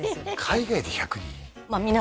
海外で１００人よ